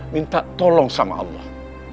minta tolong sama allah